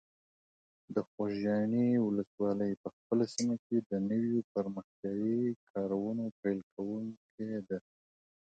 د خوږیاڼي ولسوالۍ په خپله سیمه کې د نویو پرمختیایي کارونو پیل کوونکی ده.